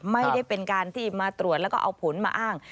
ไม่ได้เป็นการที่มาตรวจแล้วก็เอาผลมาอ้าง